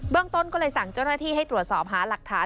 ต้นก็เลยสั่งเจ้าหน้าที่ให้ตรวจสอบหาหลักฐาน